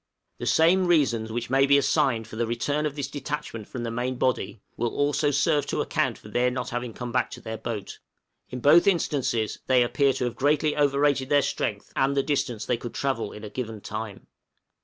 The same reasons which may be assigned for the return of this detachment from the main body, will also serve to account for their not having come back to their boat. In both instances they appear to have greatly overrated their strength, and the distance they could travel in a given time.